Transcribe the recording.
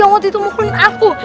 waktu itu mukulin aku